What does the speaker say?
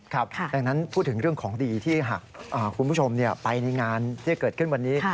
ดังนั้นพูดถึงเรื่องของดีที่หากคุณผู้ชมไปในงานที่เกิดขึ้นวันนี้